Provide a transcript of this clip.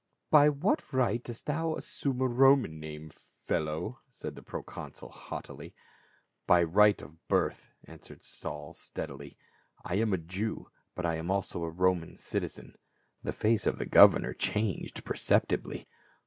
"t " By what right dost thou assume a Roman name, fellow?" said the proconsul haughtily. "By right of birth," answered Saul steadily. "I am a Jew, but I am also a Roman citizen." The face of the governor changed perceptibly.